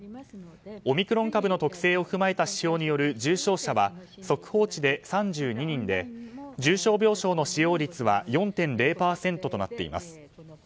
オミクロン株の特性を踏まえた指標による重症者は速報値で３２人で重症病床の使用率は４．０％となっています。